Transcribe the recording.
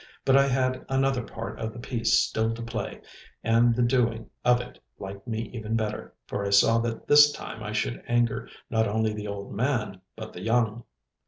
But I had another part of the piece still to play, and the doing of it liked me even better, for I saw that this time I should anger not only the old man but the young.